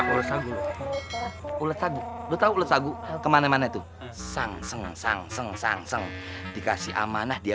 ulat ulat sagu lu tahu lu sagu ke mana mana itu sang seng sang seng sang seng dikasih amanah dia